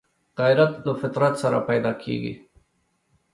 غیرت له فطرت سره پیدا کېږي